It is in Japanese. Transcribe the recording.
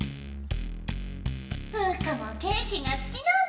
フウカもケーキがすきなんだ。